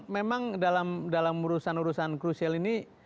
memang dalam urusan urusan krusial ini